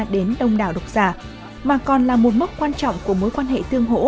đến đông đảo độc giả mà còn là một mốc quan trọng của mối quan hệ tương hỗ